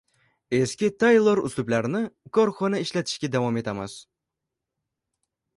Eski, tayor uslublarni ko‘r-ko‘rona ishlatishda davom etishimiz